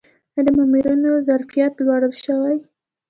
آیا د مامورینو ظرفیت لوړ شوی؟